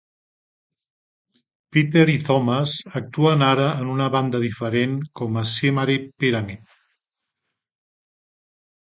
Pitter i Thomas actuen ara en una banda diferent com a "Symarip Pyramid".